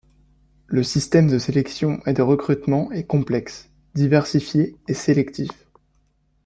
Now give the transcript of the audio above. Le système de sélection et de recrutement est complexe, diversifié et sélectif.